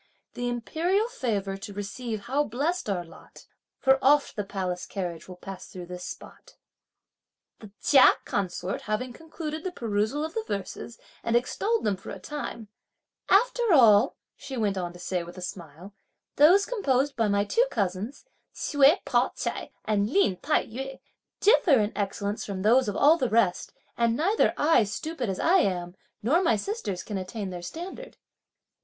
The imperial favour to receive how blessed our lot! For oft the palace carriage will pass through this spot. The Chia consort having concluded the perusal of the verses, and extolled them for a time: "After all," she went on to say with a smile, "those composed by my two cousins, Hsüeh Pao ch'ai and Lin Tai yü, differ in excellence from those of all the rest; and neither I, stupid as I am, nor my sisters can attain their standard."